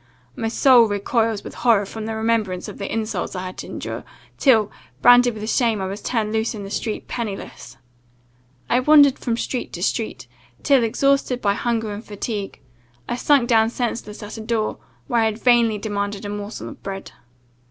My soul recoils with horror from the remembrance of the insults I had to endure, till, branded with shame, I was turned loose in the street, pennyless. I wandered from street to street, till, exhausted by hunger and fatigue, I sunk down senseless at a door, where I had vainly demanded a morsel of bread.